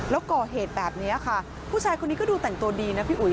แล้วก่อเหตุแบบนี้ค่ะผู้ชายคนนี้ก็ดูแต่งตัวดีนะพี่อุ๋ย